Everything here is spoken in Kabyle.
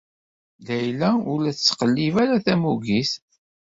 Layla ur la tettqellib ara tamuggit.